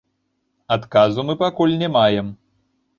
Адказу мы пакуль не маем.